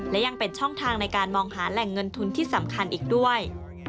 และยังเป็นช่องทางในการมองหาแหล่งเงินทุนที่สำคัญอีกด้วย